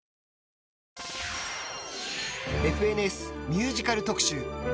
「ＦＮＳ」ミュージカル特集。